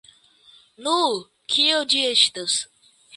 Nu, kio ĝi estas?